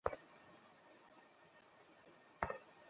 আচ্ছা, যাও।